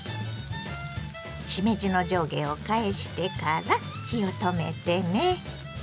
しめじの上下を返してから火を止めてね。